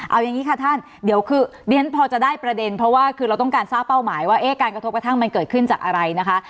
เอาอย่างนี้ค่ะท่านเดี๋ยวคือเรียนพอจะได้ประเด็นเพราะว่าคือเราต้องการทราบเป้าหมายว่าการกระทบกระทั่งมันเกิดขึ้นจากอะไรนะคะ